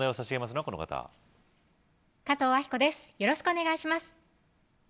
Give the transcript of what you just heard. よろしくお願いします